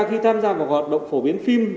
khi tham gia vào hoạt động phổ biến phim